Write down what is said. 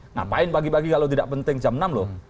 ngapain pagi pagi kalau tidak penting jam enam loh